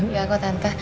ya kok tante